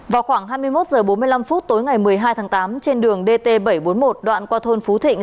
vào khoảng hai mươi một h bốn mươi năm tối ngày một mươi hai tháng tám trên đường dt bảy trăm bốn mươi một đoạn qua thôn phú thịnh